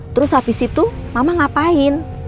terus habis itu mama ngapain